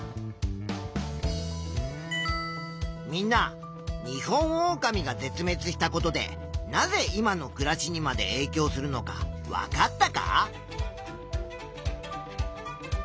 みんなニホンオオカミが絶滅したことでなぜ今の暮らしにまでえいきょうするのかわかったか？